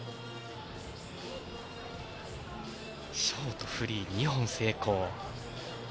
ショート、フリー２本成功。